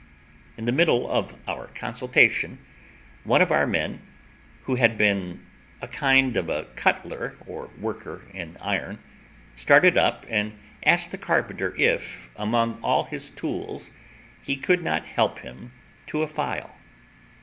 In the middle of our consultation, one of our men who had been a kind of a cutler, or worker in iron, started up and asked the carpenter if, among all his tools, he could not help him to a file.